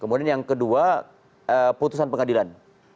kemudian yang kedua putusan pengadilan